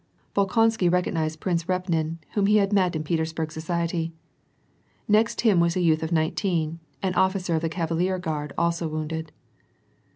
Bolkonsky recognized Prince Repnin irhom he had met in Petersburg society. Next him was a |OQth of nineteen, an officer of the cavalier guard also voonded.